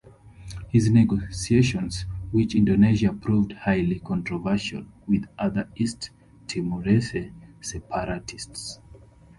His negotiations with Indonesia proved highly controversial with other East Timorese separatists.